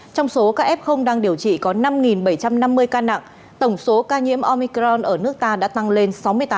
trong số các f đang điều trị có năm bảy trăm năm mươi ca nặng tổng số ca nhiễm omicron ở nước ta đã tăng lên sáu mươi tám